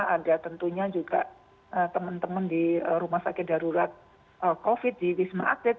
ada tentunya juga teman teman di rumah sakit darurat covid di wisma atlet